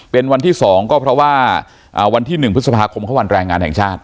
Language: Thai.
เป็นวันที่๒ก็เพราะว่าวันที่๑พฤษภาคมเข้าวันแรงงานแห่งชาติ